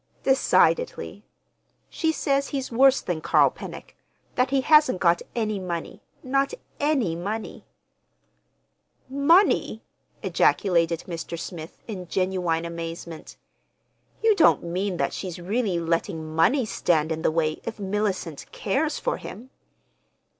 "Decidedly! She says he's worse than Carl Pennock—that he hasn't got any money, not any money." "Money!" ejaculated Mr. Smith, in genuine amazement. "You don't mean that she's really letting money stand in the way if Mellicent cares for him?